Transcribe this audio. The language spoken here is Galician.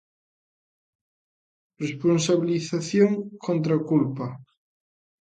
Responsabilización contra culpa.